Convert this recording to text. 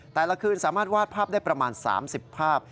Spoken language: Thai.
แต่ละคืนสามารถวาดภาพได้ประมาณ๓๐ภาพ